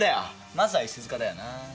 まずは石塚だよな。